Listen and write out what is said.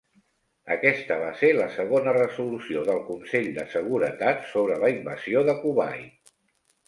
Aquesta va ser la segona resolució del Consell de Seguretat sobre la invasió de Kuwait.